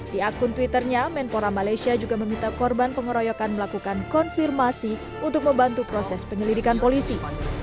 di akun twitternya menpora malaysia juga meminta korban pengeroyokan melakukan konfirmasi untuk membantu proses penyelidikan polisi